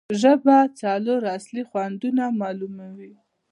ژبه څلور اصلي خوندونه معلوموي.